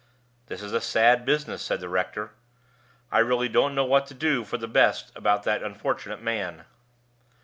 "This is a sad business," said the rector. "I really don't know what to do for the best about that unfortunate man."